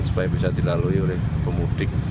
supaya bisa dilalui oleh pemudik